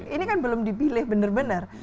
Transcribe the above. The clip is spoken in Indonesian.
ini kan belum dipilih benar benar